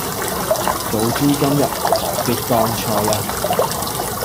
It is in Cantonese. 早知今日何必當初呢